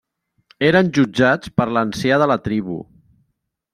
Eren jutjats per l'ancià de la tribu.